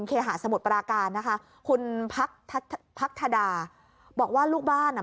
เคหาสมุทรปราการนะคะคุณพักธดาบอกว่าลูกบ้านอ่ะ